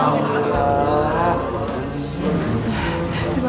terima kasih dok